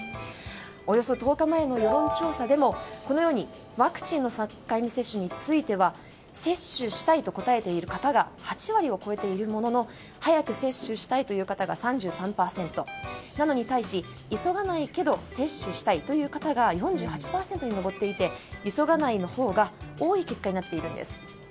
およそ１０日前の世論調査でもワクチンの３回目接種については接種したいと答えている方が８割を超えているものの早く接種したいという方が３３％なのに対し急がないけど接種したいという人が４８％に上っていて急がないのほうが多い結果になっているんです。